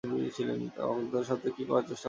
আমার বাগদত্তার সাথে কি করার চেষ্টা করছিলে তোমরা?